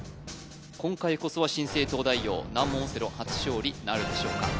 今回こそは新生東大王難問オセロ初勝利なるでしょうか